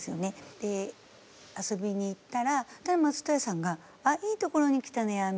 で遊びに行ったら松任谷さんが「あっいいところに来たね亜美。